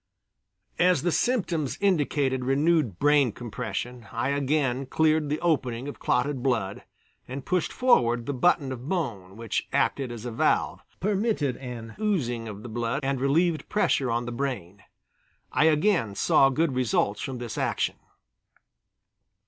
As the symptoms indicated renewed brain compression, I again cleared the opening of clotted blood and pushed forward the button of bone, which acted as a valve, permitted an oozing of blood and relieved pressure on the brain. I again saw good results from this action.